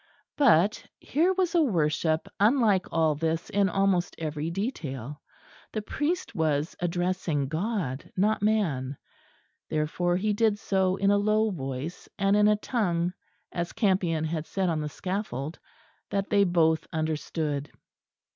But here was a worship unlike all this in almost every detail. The priest was addressing God, not man; therefore he did so in a low voice, and in a tongue as Campion had said on the scaffold "that they both understood."